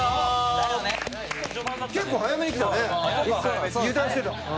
結構早めに来たね油断してた。